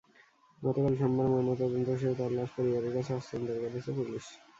গতকাল সোমবার ময়নাতদন্ত শেষে তাঁর লাশ পরিবারের কাছে হস্তান্তর করেছে পুলিশ।